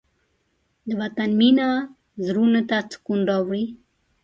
د وطن مینه زړونو ته سکون راوړي.